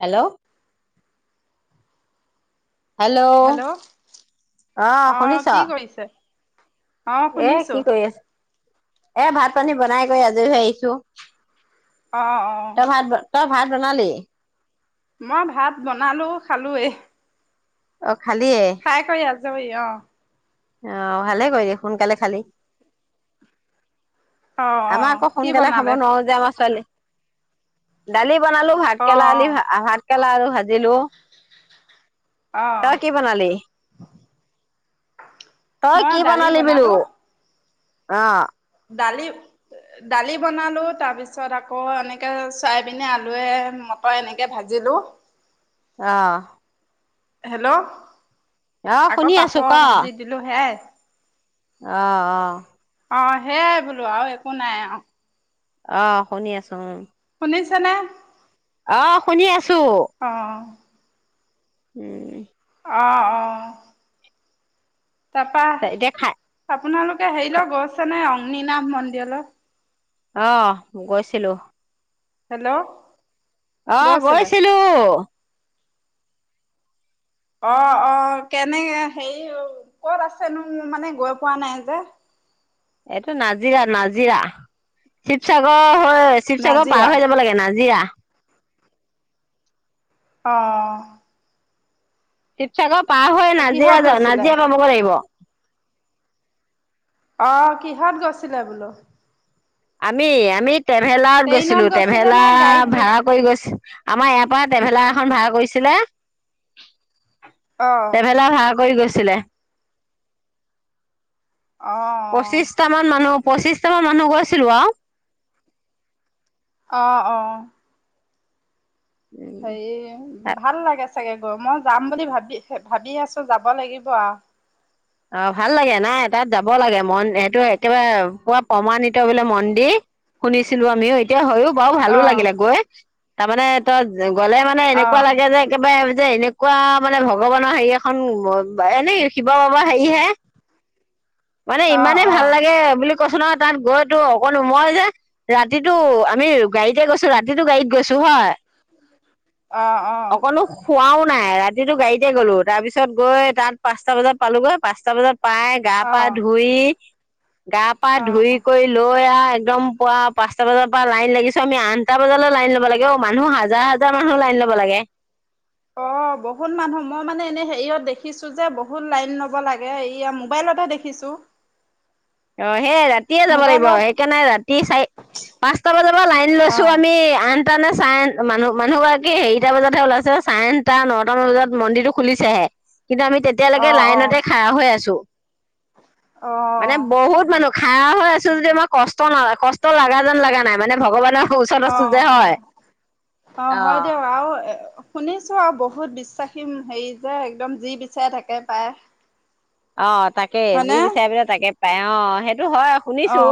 Hello hello অ আহ শুনিছ কি কৰিছে অ এ শুনিছো কি কৰি আছ এ ভাত পানী বনাই কৈ আজৰি হৈ আহিছো অঁ অ তই ভাত তই ভাত বনালি মই ভাত বনালো খালোৱে অ খালিএ জাবা আহ ভালে কৰি দে সোনকালে খালি অ অ আমাৰ আকৌ কি সোনকালে খাব বনালে নোৱাৰো যে আমাৰ ছোৱালী ডালি অ অ [unintelligible] কেৰলা আৰু ভাজিলো। অ তই কি বনালি? তই মই কি দালি বনালি বুলো? বনালো অ'। দালি- দালি বনালোঁ তাৰপিছত আকৌ এনেকে ছয়াবিনে আলুৱে মটৰে এনেকে ভাজিলো । অহ। হেল্ল'। আকৌ শুনি আছো পাপৰ ক ভাজি দিলো সেয়াই । অ' অ'। অ' সেইয়াই বুলো আৰু একো নাই অ'। অ' শুনি আছো উম। শুনিছানে? অ শুনি আছো। অ'। উম। অ' অ'। তাৰপা, এতিয়া খাই আপোনালোকে হেৰি লৈ গৈছেনে অং নীনাভ মন্দিৰলৈ। অহ গৈছিলো। হেল্ল'। অ' গৈছিলে? গৈছিলো। অ' অ' কেনেকে হেৰি কত আছিনো ম - মানে গৈ পোৱা নাই যে। এইটো নাজিৰা নাজিৰা শিৱসাগৰ। শিৱসাগৰ নাজিৰা পাৰ হৈ যাব লাগে নাাজিৰা। অ'। শিৱসাগৰ পাৰ হৈ নাজিৰা কিহত যা - গৈছিলে? নাজিৰা পাবকৈ লাগিব। অ' কিহত গৈছিলে বুলো? আমি আমি ট্ৰেভেলাৰত গৈছিলো। ট্ৰেইনত গৈছিলে নে গাড়ীত ট্ৰেভেলাৰ ভাড়া গৈছিল? কৰি গৈছ আমাৰ ইয়া পৰা ট্ৰেভেলাৰ এখন ভাড়া কৰিছিলে। অ', ট্ৰেভেলাৰ ভাড়া কৰি গৈছে। চিলে অ', পঁচিচটা মান মানুহ পঁচিচটামান মানুহ গৈছিলো আৰু অ ' অ ' সেয়ে ভাল লাগে। চাগে গৈ মই যাম বুলি ভাবি -ভাবি আছো যাব লাগিব আওঁ। অ'ভাল লাগে নাই তাত যাব লাগে ।মন সেইটো একেবাৰে পুৰা প্ৰমাণিত বোলে মন্দিৰ, শুনিছিলো আমিও এতিয়া হয়। বাৰু ভালো অ', লাগিলে গৈ। তাৰমানে তই গ'লে মানে এনেকুৱা অ', লাগে যে একেবাৰে যে এনেকুৱা মানে ভগৱানৰ হেৰি এখন এনেই শিৱ বাবাৰ হেৰি হেৰী হে। মানে অ', ইমানে অ', ভাল লাগে বুলি। কৈছো নহয় তাত গৈ তোৰ মই যে ৰাতিতটো আমি গাড়ীতে গৈছো ৰাতিতো গাড়ীত গৈছো হয়। অ', অকলো শুনাও নাই ৰাতিটো গাড়ীতে গ'লো তাৰপিছত গৈ তাত পাঁচটা বজাত পালোগৈ পাঁচটা বজাত পাই গা অ', পা অ', ধুই গা পা অ'। ধুই কৰি লৈ আও। একদম পুৱাাঁচটা বজাৰ পৰা লাইন লাগিছ আমি আঠটা বজাল লাইন লব লাগে অ মানুহ হাজাৰ হাজাৰ মানুহ লাইন ল'ব লব লাগে। অ' বহুত মানুহ মই মানে এনে হেৰিয়ত দেখিছো যে বহুত লাইন লব লাগে এইয়া মোবাইলতে দেখিছো। অ ', সেই ৰাতিয়ে যাব লাগিব মোবাইলত সেইকাৰণে ৰাতি চাৰি পাঁচটা বজাৰাব লাইন অ লৈছো আমি আঠ তানে চাৰে মানুহ মানুহগৰাকী হেৰিটা বজাতহে ওলাইছে চাৰেনটা নটাামান বজাত মন্দিৰটো খুলিছেহে। কিন্তু আমি অ তেতিয়ালৈকে অ লাইনতে খাৰা হৈ আছো। মানে অ' বহুত মানুহ খাৰা হৈ আছো যদিও মানে কষ্ট ন কষ্ট লগা যেন যলগা নাই মানে ভগৱানক অ -অ -অ হয় দিয়ক আৰু এ শুনিছো আৰু বহুত বিশ্বাসী হেৰি যে একদম যি বিচাৰে তাকে পাই। অ 'তাকে যি বিচাৰ বুলে তাকে পায়। পায় অ সেই সেইটো হয় অ শুনিছো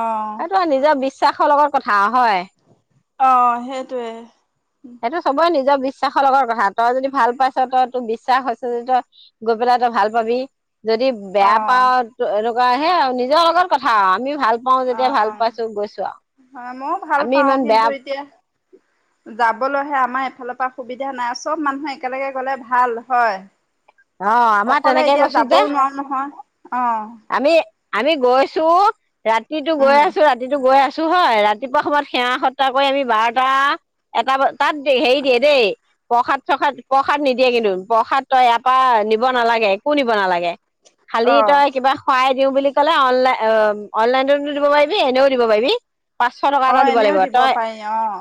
অ এইটো নিজৰ বি বিশ্বাসৰ লগত কথা হয়। অ' সেইটোৱে সেইটো চবৰে নিজৰ নিজৰ বিশ্বাসৰ লগত কথা তই যদি ভাল পাইছ তই তোক বিশ্বাস হৈছে যদি তই গৈ পেলাই তই ভাল পাবি। যদি অ বেয়া পাওঁ এইটো লগে হে আও আৰু নিজৰ লগত কথা আমি ভাল পাওঁ অ যেতিয়া ভাল হয় পাইছো গৈছো আৰু মইও ভাল আমি পাওঁ ইমান বেয়া কিন্তু এতিয়া যাব। যাবলৈহে আমাৰ এইফালৰ পৰা সুবিধা নাই চব মানুহে একেলগে গলে ভাল হয়। অ আমাৰ অকলে তেনেকে এতিয়া গৈছো যে যাবও নোৱাৰো নহয় আহ। আমি আমি গৈছো। ৰাতিতো গৈ উম, আছো ৰাতিটো গৈ আছো। চো হয় ৰাতিপুৱা সময়ত সেৱা সত্তাহ কৰি আমি বাৰটা এটা তাত হেৰি দিয়ে দেই প্ৰসাদ চসাদ। প্ৰসাদ নিদিয়ে কিন্তু প্ৰসাদ । তই ইয়াত। নিব নালাগে একো নিব নালাগে। খালি অ', তই কিবা খোৱাই। দিওঁ বুলি কলে অনলাইন অ অনলাইনতো দিব পাৰিবি এনেও দিব পাৰিবি। পাঁচশ টকা এটা অ', দিব এনেও লাগিব তই পাৰি অ',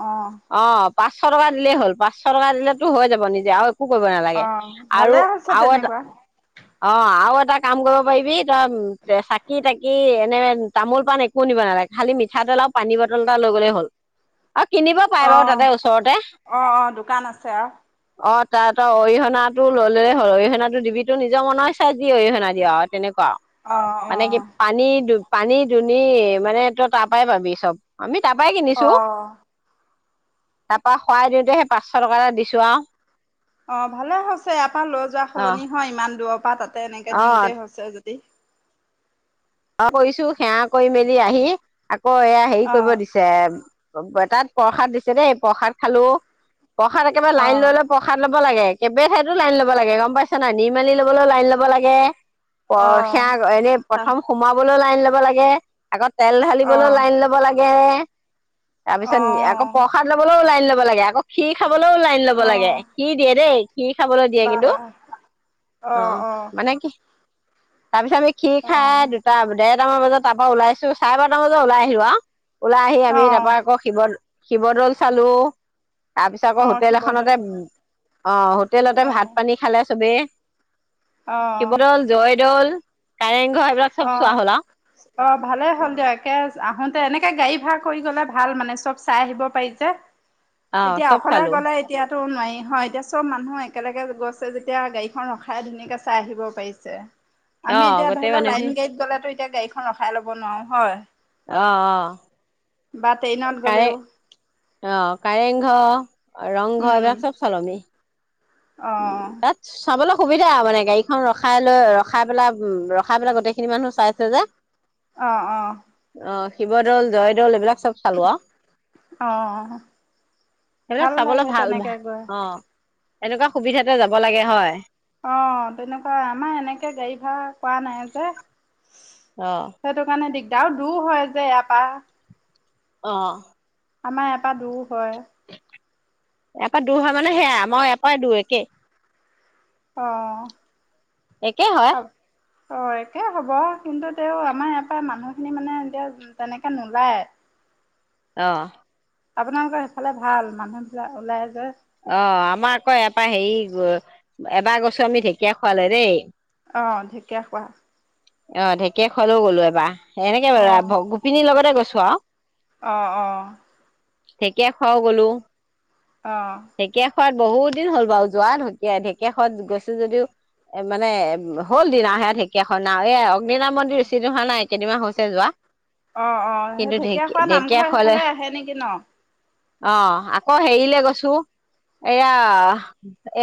অ। পাঁচশ টকা দিলেই হ'ল পাঁচশ টকা দিলেতো হৈ যাব নিজে আৰু। একো কৰিব নালাগে আৰু। চ আৰু এটা তেনেকুৱা। অ আৰু এটা কাম কৰিব পাৰিবি তই চাকি তাকি এনে তামোল পাণ একো নিব নালাগে খালি মিঠাতেল আৰু পানী বটল এটা লৈ গ'লে হ'ল। আৰু কিনিব পাৰে বাৰু অ', তাতে ওচৰতে অ', অ', দোকান আছে আৰু অ। তাত এটা অৰিহণা টো ললে। অৰিহণাটো দিবি নিজৰ মনৰ ইচ্ছা যি অৰিহনা দিয় আৰু তেনেকুৱা। ক অ', মানে কি অ', পানী ব্যৱহাৰ। পানী দুনি মানে তই তাৰ পৰাই পাবি চব আমিত। তাৰপাই কিনিছো। অ', তাৰপা শৰাই দিওঁতে সেই পাঁচশ টকা এটা দিছো আৰু। অ ভালে হৈছে। এয়াৰ পৰা লৈ যোৱা অ সলনি হয় ইমান দূৰ। পাতাত। এনেকে অ দিওঁতে হৈছে য। [unintelligible] [unintelligible] সেয়া কৰিছো সেৱা কৰি মেলি আহি। অ এয়া হেৰি কৰিব অ', দিছে। তাত প্ৰসাদ দিছে দেই প্ৰসাদ খালো। প্ৰসাদ একেবাৰে লাইন অ', লৈ ললে প্ৰসাদ। ল লাগে কেইবা ঠাইতো লাইন ল'ব লাগে গম পাইছ নাই নিৰ্মালি লবলৈও লাইন ল'ব লাগে প অ', সেয়া এনেই তা সোমাবলৈও লাইন ল'ব লাগে আগত তেল ঢালিবলৈ অ', লাইন ল'ব লাগে এ তাৰপিছত আকৌ অ', প্ৰসাদ ল'বলৈ ওলাইন ল'ব লাগে আকৌ খীৰ খাবলৈও লাইন লব লাগে অ', খিৰ দিয়ে দেই খিৰ খাবলৈ দিয়ে বা কিন্তু অ মানে কি তাৰপিছত আমি খীৰ খাই দুটা ডেৰটামান বজাত তাৰ পৰা ওলাইছো চাৰে বাৰটা বজাত ওলাই আহিলো আৰু ওলাই আহি আমি অ', তাৰপৰা আকৌ শিৱ শিৱদ'ল চালো তাৰপিছত আকৌ অ', হোটেল শিৱদৌল এখনতে অ হোটেলতে ভাত অ', পানী খালে চবেই অ', শিৱদৌল জয়দৌল কাৰেং অ অ ভালেই হ'ল আৰু দিয় একে আহোত এনেকে গাড়ী ভাড়া কৰি গ'লে ভাল মানে চব চাই আহিব পাৰি যে অ এতিয়া চব অকলে চালো গ'লে এতিয়া টো নোৱাৰি হয় এতিয়া চব মানুহ একেলগে গৈছে যেতিয়া গাড়ীখন ৰখাই ধুনীয়াকে চাই আহিব পাৰিছে । অ আমি এতিয়া ধ গোটেই লাইন মানুহখিনি গাড়ীত গলে ত এতিয়া গাড়ীখন ৰখাই ল'ব নোৱাৰো হয় অঁ অঁ বা ট্ৰেইনত গ'লেও অ কাৰেংঘৰ ৰংঘৰ উম এইবিলাক চব চালো আমি অ তাত চাবলে সুবিধা মানে গাড়ীখন ৰখাই লৈ ৰখাই পেলাই উ ৰখাই পেলাই গোটেইখিনি মানুহ চাইছে যে আহ অঁ অঁ অ শিৱদৌল জয়দৌল এইবিলাক চব চালো আহ অ সেইবিলাক ভাল চাবলৈ লাগে ভাল ভাল তেনেকে গৈ অ এনেকুৱা সুবিধাতে যাব লাগে হয় অ তেনেকুৱা আমাৰ এনেকে গাড়ী ভা়ৰা কৰা নাই যে অ সেইটো কাৰণে দিগদাৰ এতিয়াও দূৰ হয় যে ইয়াৰ পৰা অ আমাৰ এপৰা দূৰ হয় । ইয়াৰ পৰাৰা দূৰ হয় মানে সেয়া আমই ইয় পৰাই দূৰ একেই । অঁ একেই হয় অ একে হব কিন্তু তেওঁ আমাৰ ইয়াৰ পৰা মানুহখিনি মানে এতিয়া তেনেকে নোলায় আহ আপোনালোকৰ সেইফালে ভাল মানুহ বিলাক ওলাই যে অ আমাৰ আকৌ এয়াৰপৰা হেৰি এবাৰ গছো আমি ঢেকীয়া খোৱালে দেই অ ঢেকীয়া খোৱা অ ঢেকে খলো গ'লো এবাৰ এনেকে বাৰ গোপিনীৰ লগতে গৈছো কোৱা অঁ অঁ ঢেকীয়া খাও গলো অ ঢেকিয়া খোবাত বহুত দিন হ'ল বাৰু যোৱা ঢেকীয়া ঢেকীয়াখনত গৈছো যদিও এ মানে হ'ল দিনা সে ঢেকীয়াখন না এই মীন মন্দিৰ ৰিচিৰ্ভ হোৱা নাই কেইদিনমাহ হৈছে যোৱা অ অ সেই কিন্তু ঢেকী ঢেকীয়াখোৱা নামঘৰ ঢেকীয়াখোৱালে সেইফালে আহে নেকি ন অ আকৌ হেৰিলে গৈছো এয়া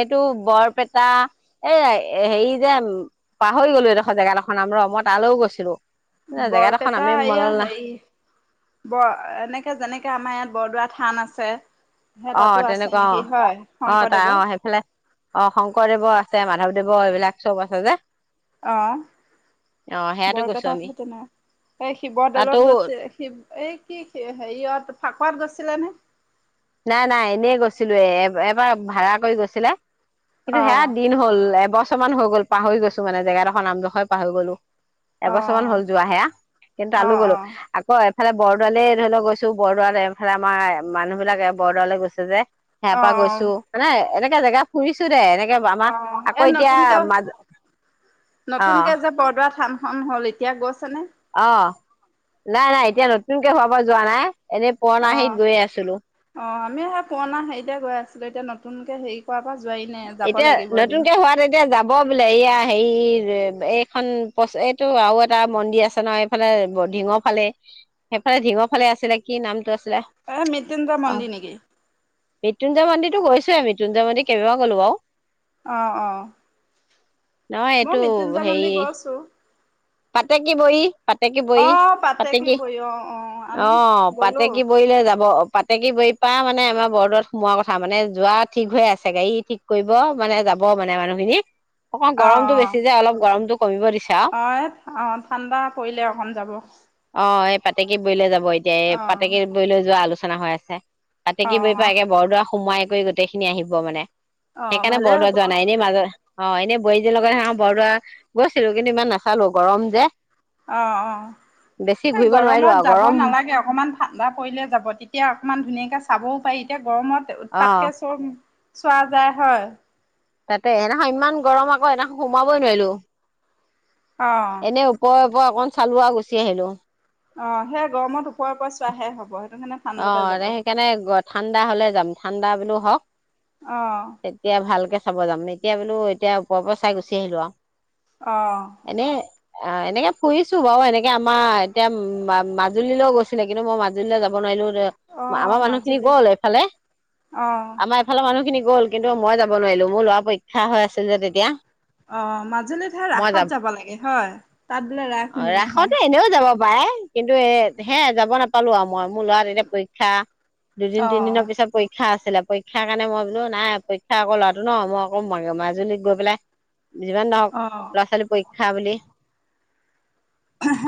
এইটো বৰপেটা এই হেৰি যে পাহৰি গলো এইডোখৰ জেগাডোখৰাম ৰ মই তালৈও গৈছিলো জেগাডোখৰ বৰপেটা নামেই এইয়া মনলৈ না হেৰি ব এনেকে যেনেকে আমাৰ ইয়াত বৰদোৱা থান আছে আছে হে অ তাতো আছে তেনেকুৱা অ নেকি হয় অ তাই শংকৰদেৱৰ অ সেইফালে অ শংকৰদেৱৰ আছে মাধৱদেৱ এইবিলাক চব আছে যে অ অ সেয়াতো গৈছো আমি বৰপেটাতহেতেন এই তাতো শিৱদৌলত গৈছে শিৱ এই কি হেৰিয়ত ফাকুৱাত গৈছে ছিলানে নাই নাই এনেই গৈছিলো এ এবাৰ ভা়ড়া কৰি গৈছিলে কিন্তু সেয়া অ', দিন হ'ল এবছৰ কিমান হৈ গল পাহৰি গছো মানে যেগাডখ নামডখৰ পাহৰি গলো এবছৰ মান অ', হ'ল যোৱা সেয়া কিন্তু আলো অ', গলো অ'। আকৌ ইফালে বৰদোৱালে ধৰি লও গৈছো বৰদোৱাল এইফালে আমাৰ মানুহবিলাক বৰদাললৈ গৈছে যে হে পা অ', গৈছো মানে এনেকে এনেকে জেগাু ফুৰিছো দে এনেকে আমাৰ অ আকৌ এ এতিয়া নতুনকে মাজ অ নতুনকে যে বৰদোৱা থাম হ'ল এতিয়া গছ অ নাই নাই এতিয়া নতুনকে হোৱাৰ পৰা যোৱা নাই এনেই পুৰণা অ হেৰিত গৈয়ে আছিলো অ আমি হেৰিতে পুৰণা হেৰিতে গৈ আছিলো এতিয়া নতুনকে হেৰি কৰাৰ পৰা যোৱাই নাই যাব এতিয়া লাগিব এদিন। নতুনকে হোৱাত এতিয়া যাব বুলি এয়া হেৰি এইখন এইটো আৰু এটা মন্দিৰ আছে ন এইফালে ঢিঙৰ ফালে সেইফালে ঢিঙৰ ফালে আছিলে কি নামটো আছিলে এ মৃত্যুঞ্জয় অ মন্দি নেকি? মৃত্যুঞ্জয় মন্দিৰ টো গৈছো আমি আ মৃত্যঞ্জয় মন্দিৰ কেইবাবা ক'লো অহ অহ নহয় এইটো হেৰি গৈছোঁ। পাতেকী বহ পাতেকী বহ অ', পাতে কি পাতেকী বৰি অ', অ আমি গ'লো। পাতেকী বহলে যাব পাতেকী বহি পৰা মানে আমাৰ বৰদত সোমোৱাৰ কথা মানে যোৱা ঠিক হৈ আছে গাড়ী ঠিক কৰিব মানে যাব মানে মানুহখিনি অকণমান অ', গৰমতটো অ'। বেছি যে অলপ গৰমতটো কমিব দিছে আও অ', এ অ ঠাণ্ডা পৰিলে অসম যাব অ এই পাতেকি বৈলে যাব হব এতিয়া এই অ', পাতেকে বৈ লৈ যোৱা আলোচনা আলোচনা হৈ আছে পাতেকি বহি পা অ', একে বৰদোৱা সোমাই কৰি গোটেইখিনি আহিব মানে অ', সেইকাৰণে ভালেই বৰদোৱা হ'ব। যোৱা অ'। নাই এনে মাজত অ এনেই বোৱাইজনীৰ লগত হাওঁ বৰদোৱা গৈছিলো কিন্তু ইমান নাচালো গৰম যে অ অ বেছি সে ঘূৰিব নোৱাৰিলো গৰমত আৰু যাব গৰম নালাগে অকণমান ঠাণ্ডা পৰিলে যাব তেতিয়া অকণমান ধুনীয়াকৈ চাবও পাৰি এতিয়া গৰমত অ উৎপাতকে চব চোৱা যায় হয় তাতে সেইদিনাখন ইমান গৰম আকৌ সেইদিনাখন সোমাবই নোৱাৰিলো অ', এনে ওপৰত মই অকন চালো আৰু গুচি আহিলো অ', সেই গৰমত ওপৰে ওপৰে চোৱাহে হ'ব সেইটো কাৰণে অ ঠাণ্ডাতে যাব। সেইকাৰণে ঠাণ্ডা হলে যাম ঠাণ্ডা বুলিও হওক অ', তেতিয়া ভালকে চাব যাম এতিয়া বোলো এতিয়া ওপৰৰ পৰা চাই গুচি আহিলো আৰু অ এনে অ এনেকে ফুৰিছো বাৰু এনেকে আমাৰ এতিয়া মা মাজুলীলৈও গৈছিলে কিন্তু মই মাজুলীলৈ যাব বনাই লো আমাৰ অ', মানুহ খিনি মাজুলী গ'ল এইফালে অ', আমাৰ এইফালে মানুহ খিনি গ'ল কিন্তু মই যাব নোৱাৰিলো মোৰ ল'ৰা পৰীক্ষা হৈ আছিল যে তেতিয়া অ মাজুলী হে ৰাসত যাব লাগে হয় তাত বোলে ৰাস ধুনীয়া হয় পাই কিন্তু এ হে যাব নাপালো আৰু মই মোৰ ল'ৰা তেতিয়া পৰীক্ষা দুদিন অ', তিনিদিনৰ পিছত পৰীক্ষা আছে আছিলে পৰীক্ষাৰ কাৰণে মই বোলো নাই পৰীক্ষা আকৌ ল'ৰাটো ন মই আকৌ মাজুলীত গৈ পেলাই যিমান নহওক অ', ল'ৰা ছোৱালী পৰীক্ষা পৰীক্ষা বুলি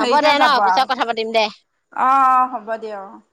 হ'ব দে আৰু ন যাব পিছত কথা পাতিম দে আৰু অ অ হ'ব দিয়ক